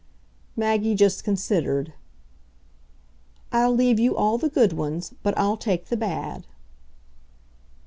Maggie just considered. "I'll leave you all the good ones, but I'll take the bad."